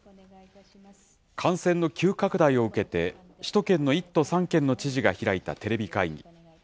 感染の急拡大を受けて、首都圏の１都３県の知事が開いたテレビ会議。